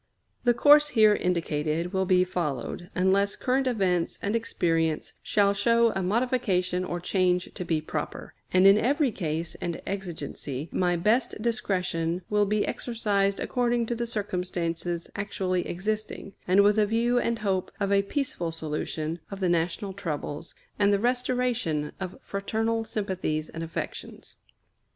The course here indicated will be followed, unless current events and experience shall show a modification or change to be proper; and in every case and exigency my best discretion will be exercised according to the circumstances actually existing, and with a view and hope of a peaceful solution of the national troubles, and the restoration of fraternal sympathies and affections.